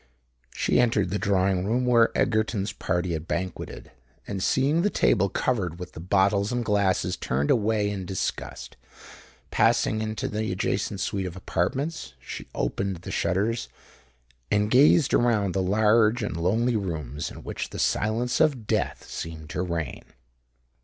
She entered the drawing room where Egerton's party had banqueted; and, seeing the table covered with the bottles and glasses, turned away in disgust. Passing into the adjacent suite of apartments, she opened the shutters, and gazed around the large and lonely rooms in which the silence of death seemed to reign.